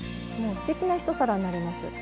すてきな一皿になります。